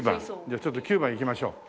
じゃあちょっと９番行きましょう。